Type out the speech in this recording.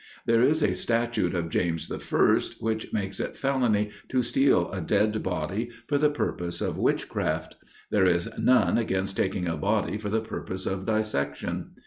There is a statute of James the first, which makes it felony to steal a dead body for the purpose of witchcraft; there is none against taking a body for the purpose of dissection.